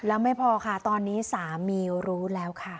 แล้วไม่พอค่ะตอนนี้สามีรู้แล้วค่ะ